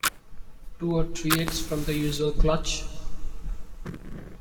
Two or three eggs form the usual clutch.